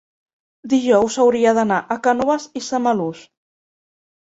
dijous hauria d'anar a Cànoves i Samalús.